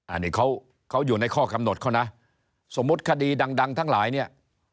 อันนี้เขาเขาอยู่ในข้อกำหนดเขานะสมมุติคดีดังดังทั้งหลายเนี่ย